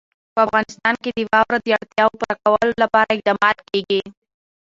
په افغانستان کې د واوره د اړتیاوو پوره کولو لپاره اقدامات کېږي.